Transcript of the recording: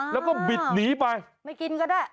แล้วก็บิดหนีไปไม่กินก็ได้